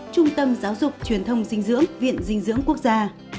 trung tâm giáo dục truyền thông dinh dưỡng viện dinh dưỡng quốc gia